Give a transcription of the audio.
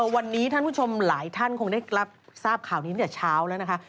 วันนี้ท่านผู้ชมหลายท่านคงได้รับทราบข่าวนี้ตั้งแต่เช้าแล้วนะคะ